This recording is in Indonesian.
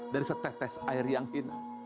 dari setetes air yang hina